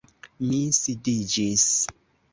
Mi sidiĝis.